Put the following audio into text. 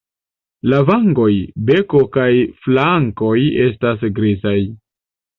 La vangoj, beko kaj flankoj estas grizaj.